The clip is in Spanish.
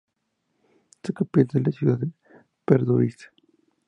Su capital es la ciudad de Pardubice.